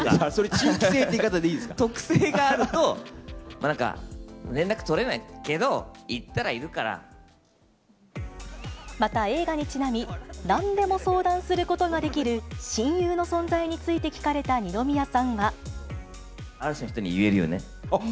地域性って言い方でいいんで特性があると、なんか、連絡取れないけど、また、映画にちなみ、なんでも相談することができる親友の存在について聞かれた二宮さ嵐の人には言えるよね。